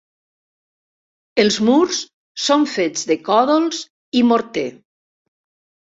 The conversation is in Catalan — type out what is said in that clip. Els murs són fets de còdols i morter.